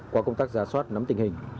qua công tác giả soát nắm tình hình